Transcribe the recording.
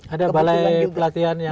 ada balai pelatihan yang